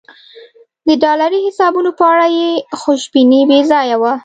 د ډالري حسابونو په اړه یې خوشبیني بې ځایه وه.